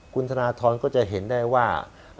คุณธนทรก็จะเห็นได้ว่า